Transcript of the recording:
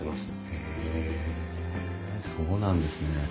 へえそうなんですね。